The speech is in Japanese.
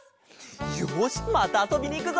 よしまたあそびにいくぞ。